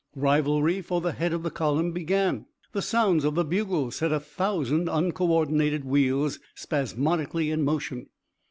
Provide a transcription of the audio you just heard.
Rivalry for the head of the column began. The sounds of the bugle set a thousand uncoördinated wheels spasmodically in motion.